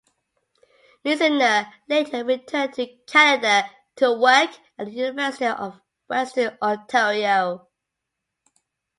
Misener later returned to Canada to work at the University of Western Ontario.